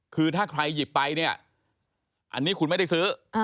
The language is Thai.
คือถ้าใครหยิบไปเนี่ยอันนี้คุณไม่ได้ซื้อ